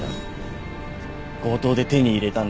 強盗で手に入れたんでしょう。